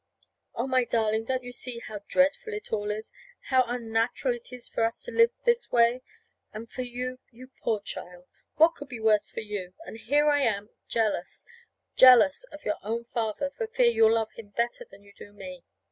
"Oh, my darling, don't you see how dreadful it all is how unnatural it is for us to live this way? And for you you poor child! what could be worse for you? And here I am, jealous jealous of your own father, for fear you'll love him better than you do me!